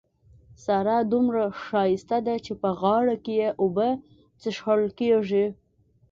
سارا دومره ښايسته ده چې په غاړه کې يې اوبه څښل کېږي.